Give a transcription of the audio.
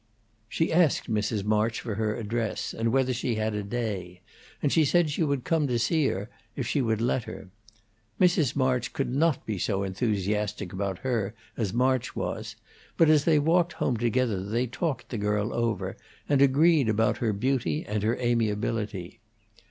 She asked Mrs. March for her address, and whether she had a day; and she said she would come to see her, if she would let her. Mrs. March could not be so enthusiastic about her as March was, but as they walked home together they talked the girl over, and agreed about her beauty and her amiability.